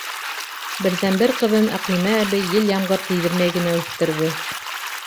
Берҙән-бер ҡыҙын Әҡлимә әбей ел-ямғыр тейҙермәй генә үҫтерҙе.